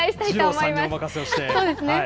そこは二郎さんにお任せをして。